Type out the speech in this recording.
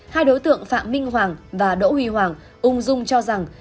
hai đối tượng phạm minh hoàng và đỗ huy hoàng ung dung cho rằng